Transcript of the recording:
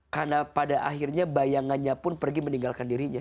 karena pada akhirnya bayangannya pun pergi meninggalkan dirinya